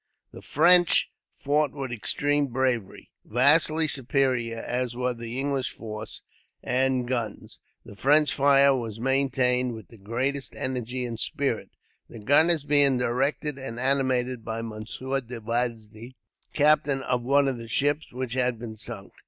The French fought with extreme bravery. Vastly superior as were the English force and guns, the French fire was maintained with the greatest energy and spirit, the gunners being directed and animated by Monsieur De Vignes, captain of one of the ships which had been sunk.